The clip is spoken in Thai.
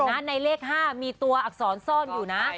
เดี๋ยวนะในเลข๕มีตัวอักษรซ่อมอยู่นะ